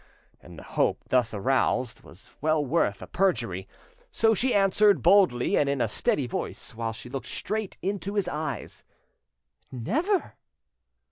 and the hope thus aroused was well worth a perjury. So she answered boldly and in a steady voice, while she looked straight into his eyes— "Never!"